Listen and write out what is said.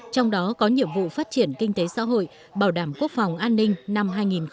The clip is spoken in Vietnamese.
trong đó có nhiệm vụ phát triển kinh tế xã hội bảo đảm quốc phòng an ninh năm hai nghìn một mươi chín